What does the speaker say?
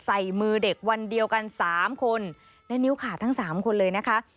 ใส่มือเด็กวันเดียวกันสามคนและนิ้วขาดทั้งสามคนเลยนะคะ